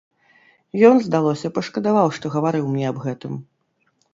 Ён, здалося, пашкадаваў, што гаварыў мне аб гэтым.